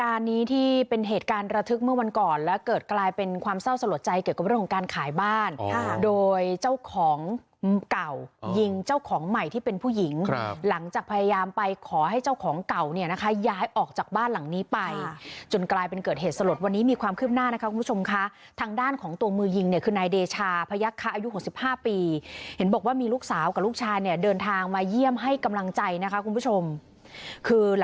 อันนี้ที่เป็นเหตุการณ์ระทึกเมื่อวันก่อนแล้วเกิดกลายเป็นความเศร้าสลดใจเกี่ยวกับเรื่องของการขายบ้านโดยเจ้าของเก่ายิงเจ้าของใหม่ที่เป็นผู้หญิงหลังจากพยายามไปขอให้เจ้าของเก่าเนี่ยนะคะย้ายออกจากบ้านหลังนี้ไปจนกลายเป็นเกิดเหตุสลดวันนี้มีความคืบหน้านะคะคุณผู้ชมคะทางด้านของตัวมือยิงเนี่ยคือ